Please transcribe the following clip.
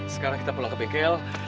sekarang kita pulang ke bengkel